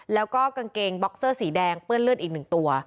แล้วก็กางเกงบ็อกเซอร์สีแดงเปื้อนเลือดอีกหนึ่งตัว